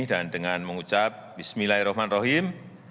dan dengan mengucap bismillahirrahmanirrahim